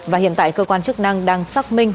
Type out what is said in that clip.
và hiện tại cơ quan chức năng đang xác minh